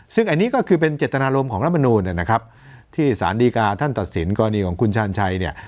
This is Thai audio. ซึ่งอันนี้ก็คือเป็นเจตนารมณ์ของรัฐมนูลนะครับที่สารดีกาท่านตัดสินกรณีของคุณชาญชัยเนี่ย